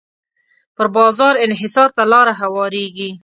پر بازار انحصار ته لاره هواریږي.